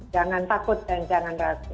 jangan takut dan jangan ragu